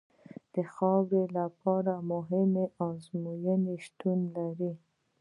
د خاورې لپاره مهمې ازموینې شتون لري